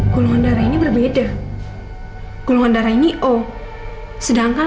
jadi sakit kegelapan susah